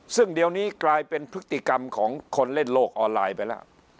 ซึ่งเดี๋ยวนี้กลายเป็นพฤติกรรมของคนเล่นโลกออนไลน์ไปแล้ว